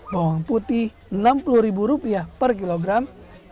bawang putih rp enam puluh per kilogram